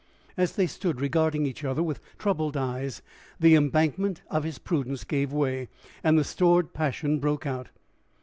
As they stood regarding each other with troubled eyes, the embankment of his prudence gave way, and the stored passion broke out.